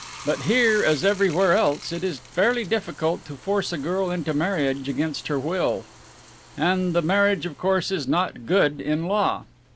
But here as everywhere else it is fairly difficult to force a girl into marriage against her will, and the marriage of course is not good in law."